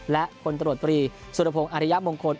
และคนตลอดปรีสุรพงษ์อธิยะมงคล